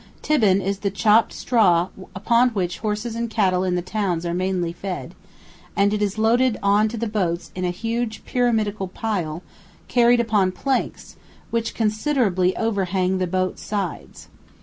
"Tibbin" is the chopped straw upon which horses and cattle in the towns are mainly fed, and it is loaded on to the boats in a huge pyramidical pile carried upon planks which considerably overhang the boat's sides.